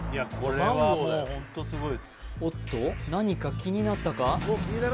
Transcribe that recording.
おっと何か気になったか？